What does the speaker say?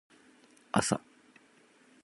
あさ